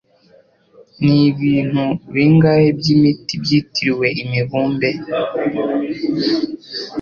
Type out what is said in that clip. Nibintu bingahe byimiti byitiriwe imibumbe?